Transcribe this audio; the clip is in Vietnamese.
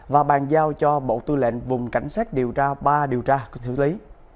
và bàn giao cho bộ tư lệnh vùng cảnh sát điều tra ba điều tra của thứ lý